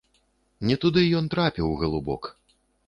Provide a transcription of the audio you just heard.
Не туды ён трапіў, галубок!